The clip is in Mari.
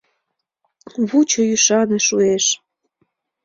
Вучо, ӱшане, шуэш...